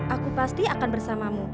aku pasti akan bersamamu